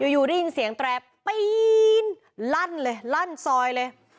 อยู่ได้ยินเสียงแตรปีนลั่นเลยลั่นซอยเลย